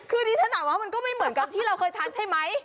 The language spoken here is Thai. คือดิฉันถามว่ามันก็ไม่เหมือนกับที่เราเคยทานใช่ไหม